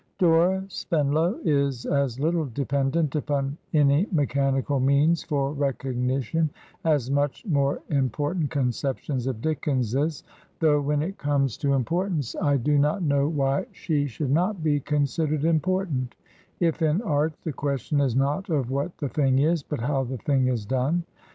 Dora Spenlow is as little dependent upon any me chanical means for recognition as much more impor tant conceptions of Dickens's, though when it comes to 148 Digitized by VjOOQIC DICKENS'S LATER HEROINES importance, I do not know why she should not be con sidered important, if in art the question is not of what the thing is, but how the thing is done.